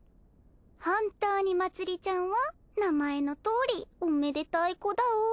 本当にまつりちゃんは名前のとおりおめでたい子だお。